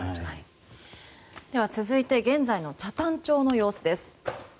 続いて現在の北谷町の様子です。